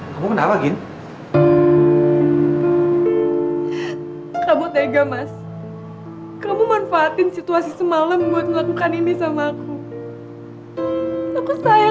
sampai jumpa di video selanjutnya